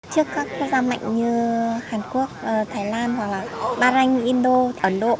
trước các quốc gia mạnh như hàn quốc thái lan hoặc là bahrain indo ấn độ